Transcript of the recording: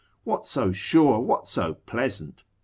What so sure, what so pleasant?